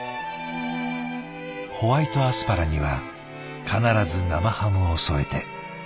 ホワイトアスパラには必ず生ハムを添えて。